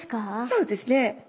そうですね。